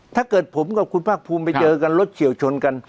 ถ้าเกิดผมกับคุณภาคภูมิไปเจอกันรถเฉียวชนกัน